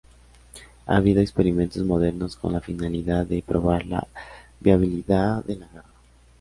Ha habido experimentos modernos con la finalidad de probar la viabilidad de la garra.